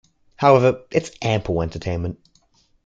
However, it's ample entertainment.